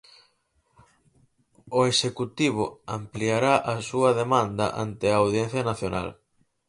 O executivo ampliará a súa demanda ante a Audiencia Nacional.